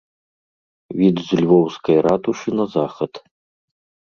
Від з львоўскай ратушы на захад.